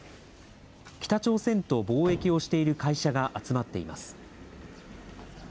北朝鮮と貿易をしている会社が集まっています。